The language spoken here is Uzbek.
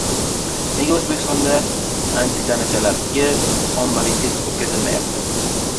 Nega O‘zbekistonda antitanachalarga ommaviy test o‘tkazilmayapti?